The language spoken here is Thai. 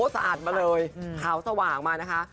สะอาดมาเลยขาวสว่างมานะคะ